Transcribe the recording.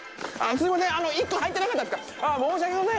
すみません。